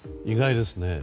意外ですね。